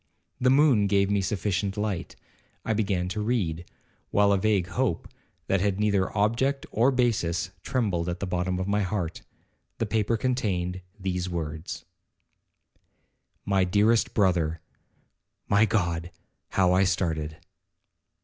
The moon gave me sufficient light. I began to read, while a vague hope, that had neither object or basis, trembled at the bottom of my heart. The paper contained these words: 'My dearest brother, (My God! how I started!)